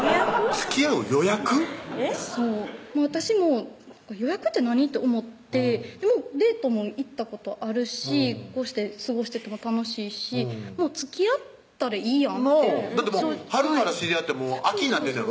そう私も予約って何？と思ってデートも行ったことあるしこうして過ごしてても楽しいしもう付き合ったらいいやんってなぁだって春から知り合って秋になってんねやろ？